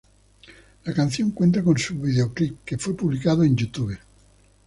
La canción cuenta con su videoclip que fue publicado en YouTube.